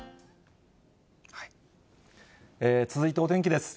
続いてお天気です。